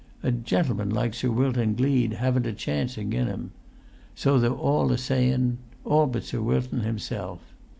A gentleman like Sir Wilton Gleed haven't a chance agen him; so they're all a sayun, all but Sir Wilton himself.